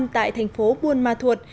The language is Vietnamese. tại thành phố buôn ma thuột